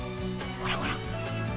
ほらほら！